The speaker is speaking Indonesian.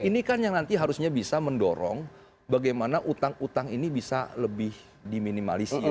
ini kan yang nanti harusnya bisa mendorong bagaimana utang utang ini bisa lebih diminimalisir